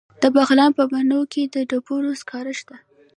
د بغلان په بنو کې د ډبرو سکاره شته.